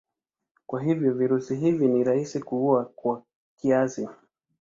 Kwa hivyo virusi hivi ni rahisi kuua kwa kiasi.